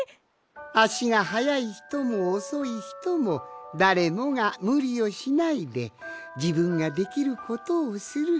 あしがはやいひともおそいひともだれもがむりをしないでじぶんができることをする。